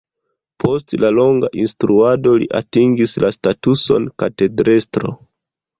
Post la longa instruado li atingis la statuson katedrestro.